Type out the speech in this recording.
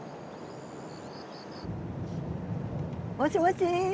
もしもし？